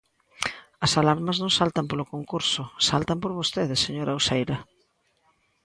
As alarmas non saltan polo concurso, saltan por vostede, señora Uceira.